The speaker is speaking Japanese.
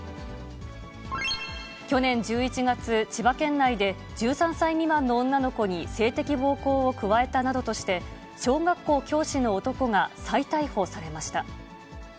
去年１１月、千葉県内で、１３歳未満の女の子に性的暴行を加えたなどとして、小学校教師の男が再逮捕されました。